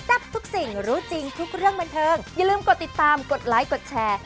ทุกสิ่งรู้จริงทุกเรื่องบันเทิงอย่าลืมกดติดตามกดไลค์กดแชร์